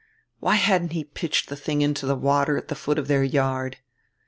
Why hadn't he pitched the thing into the water at the foot of their yard!